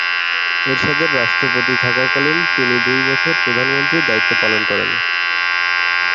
এরশাদের রাষ্ট্রপতি থাকা কালীন তিনি দুই বছর প্রধানমন্ত্রীর দায়িত্ব পালন করেন।